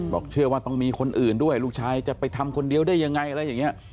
เชื่อว่าต้องมีคนอื่นด้วยลูกชายจะไปทำคนเดียวได้ยังไงอะไรอย่างนี้